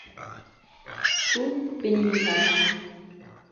Bu benim hikayem.